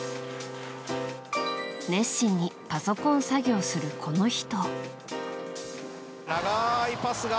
熱心にパソコン作業するこの人。